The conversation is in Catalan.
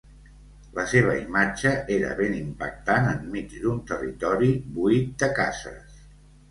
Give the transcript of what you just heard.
La seva imatge era ben impactant enmig d'un territori buit de cases.